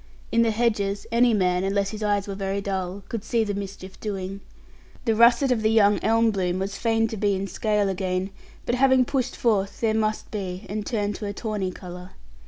In the hedges any man, unless his eyes were very dull, could see the mischief doing. The russet of the young elm bloom was fain to be in its scale again; but having pushed forth, there must be, and turn to a tawny colour.